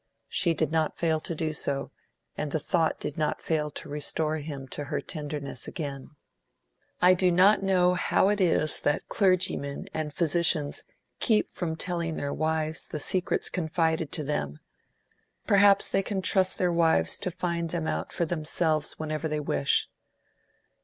She did not fail to do so, and the thought did not fail to restore him to her tenderness again. I do not know how it is that clergymen and physicians keep from telling their wives the secrets confided to them; perhaps they can trust their wives to find them out for themselves whenever they wish.